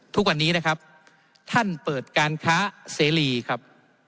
ทุกวันนี้นะครับท่านเปิดการค้าเสรีครับ